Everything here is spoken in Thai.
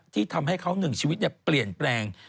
ที่ทำให้เขาหนึ่งชีวิตเปลี่ยนแปลง